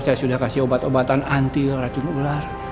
saya sudah kasih obat obatan anti racun ular